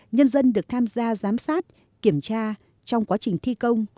nhân dân được tham gia giám sát kiểm tra trong quá trình thi công